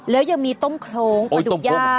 แล้วยังมีต้มโครงกระดูกย่า